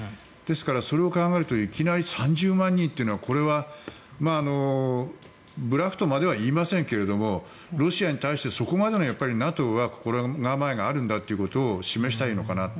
それを考えるといきなり３０万人というのはこれはブラフとまでは言いませんがロシアに対してそこまでの、ＮＡＴＯは心構えがあるんだということを示したいのかな。